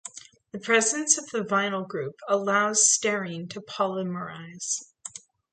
The presence of the vinyl group allows styrene to polymerize.